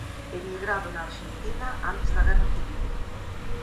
Emigrado na Arxentina antes da guerra civil.